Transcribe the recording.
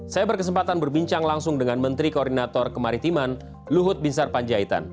saya berkesempatan berbincang langsung dengan menteri koordinator kemaritiman luhut binsar panjaitan